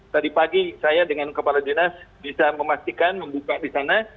tadi pagi saya dengan kepala dinas bisa memastikan membuka di sana